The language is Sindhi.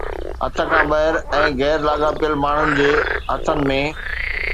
هٿ کان ٻاهر ۽ غير لاڳاپيل ماڻهن جي هٿن ۾